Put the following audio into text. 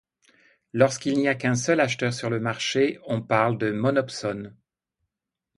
Lorsqu’il n’y a qu’un seul acheteur sur le marché, on parle de monopsone.